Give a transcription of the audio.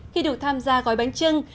khi được tham gia gói bánh truyền